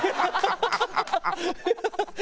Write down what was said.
ハハハハ！